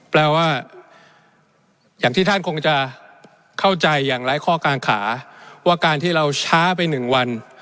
แปลว่าอย่างที่ท่านคงจะเข้าใจอย่างไร้ข้อกางขาว่าการที่เราช้าไป๑วัน